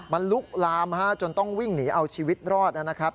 มันลุกลามจนต้องวิ่งหนีเอาชีวิตรอดนะครับ